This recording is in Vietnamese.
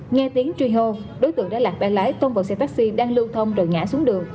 nghe tiếng truy hô đối tượng đã lạc ba lái tông vào xe taxi đang lưu thông rồi ngã xuống đường